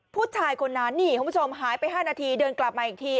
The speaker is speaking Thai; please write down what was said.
ผู้ชายคนนั้นนี่คุณผู้ชมหายไป๕นาทีเดินกลับมาอีกที